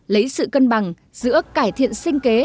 lấy sự cân bằng giữa cải thiện sinh kế